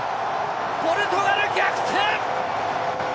ポルトガル逆転！